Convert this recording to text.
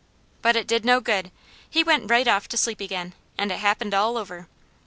But it did no good; he went right off to sleep again, and it happened all over.